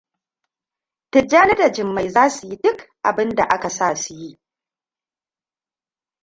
Tijjani da Jummai za su yi duk abinda aka sa su yi.